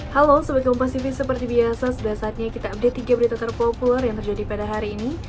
halo sebagai kompas seperti biasa sudah saatnya kita update tiga berita terpopuler yang terjadi pada hari ini